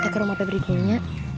ke rumah febri punya